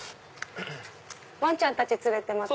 ワンちゃんたち連れて来ます。